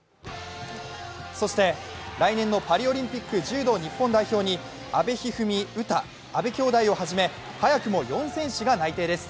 そして、来年のパリオリンピック・柔道日本代表に阿部一二三・詩、阿部きょうだいをはじめ、早くも４選手が内定です。